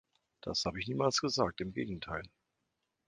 Das habe ich niemals gesagt, im Gegenteil.